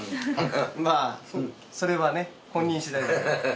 まあそれはね本人次第。